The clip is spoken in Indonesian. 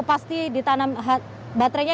pasti ditanam baterainya